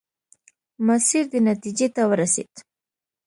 ماسیر دې نتیجې ته ورسېد.